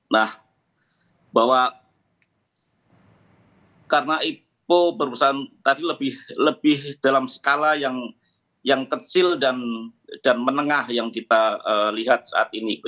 nah bahwa karena ipo berpesan tadi lebih dalam skala yang kecil dan menengah yang kita lihat saat ini